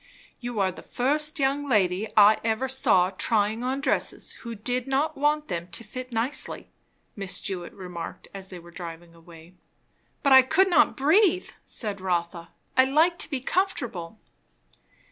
"You are the first young lady I ever saw trying on dresses, who did not want them to fit nicely," Miss Jewett remarked as they were driving away. "But I could not breathe!" said Rotha. "I like to be comfortable."